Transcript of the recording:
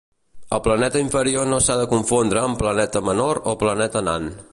El planeta inferior no s'ha de confondre amb planeta menor o planeta nan.